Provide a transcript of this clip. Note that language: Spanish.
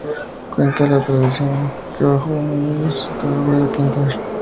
Cuenta la tradición que bajo uno de ellos se sentaba Goya a pintar.